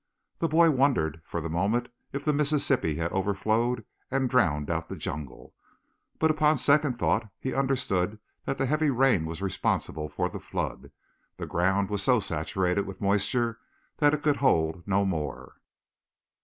The boy wondered, for the moment, if the Mississippi had overflowed and drowned out the jungle, but upon second thought he understood that the heavy rain was responsible for the flood. The ground was so saturated with moisture that it could hold no more.